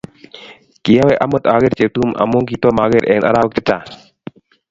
Kiawe amut ager Cheptum amun kitomaker eng' arawek chechang'.